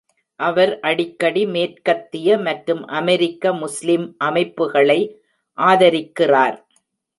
அவர் அடிக்கடி மேற்கத்திய மற்றும் அமெரிக்க முஸ்லிம் அமைப்புகளை ஆதரிக்கிறார்.